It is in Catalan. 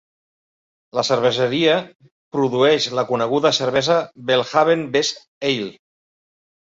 La cerveseria produeix la coneguda cervesa Belhaven Best ale.